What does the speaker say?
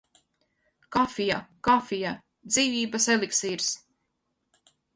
Kafija, kafija! Dzīvības eliksīrs!